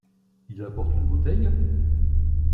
Il apporte une bouteille?